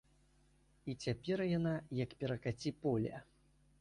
І цяпер яна як перакаці-поле.